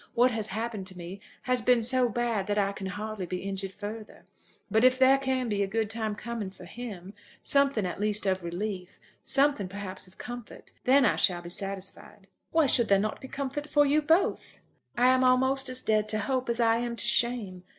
What has happened to me has been so bad that I can hardly be injured further. But if there can be a good time coming for him, something at least of relief, something perhaps of comfort, then I shall be satisfied." "Why should there not be comfort for you both?" "I am almost as dead to hope as I am to shame.